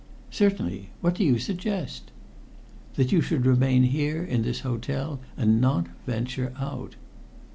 "Certainly. What do you suggest?" "That you should remain here, in this hotel, and not venture out."